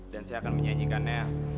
dan saya akan mengucapkannya